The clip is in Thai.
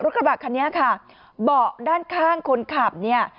กระบะคันนี้ค่ะเบาะด้านข้างคนขับเนี่ย